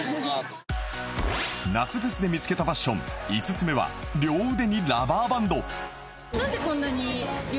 夏フェスで見つけたファッション５つ目は両腕にラバーバンド